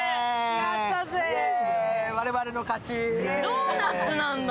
ドーナツなんだ。